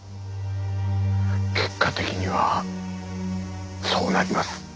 結果的にはそうなります。